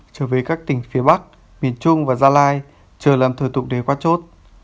trở về các tỉnh phía bắc miền trung và gia lai chờ làm thờ tụng để qua chốt